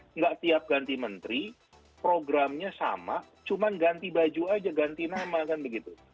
tidak setiap ganti menteri programnya sama cuma ganti baju saja ganti nama kan begitu